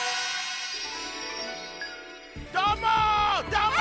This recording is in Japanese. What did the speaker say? どーも！